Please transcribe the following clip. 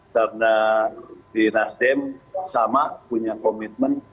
karena di nasdem sama punya komitmen